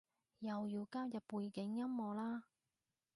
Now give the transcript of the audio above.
又要加入背景音樂喇？